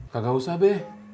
kagak usah be